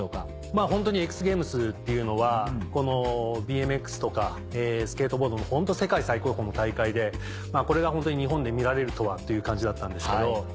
まぁホントに「ＸＧａｍｅｓ」っていうのはＢＭＸとかスケートボードの世界最高峰の大会でこれが日本で見られるとはという感じだったんですけど。